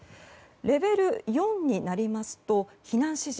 レベル４になりますと避難指示。